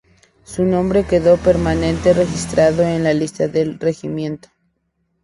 Su nombre quedó permanente registrado en las listas del regimiento.